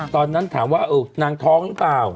ตอนนั้นถามว่านางท้องหรือเปล่า